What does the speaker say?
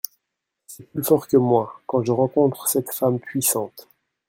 C’est plus fort que moi, quand je rencontre cette femme puissante…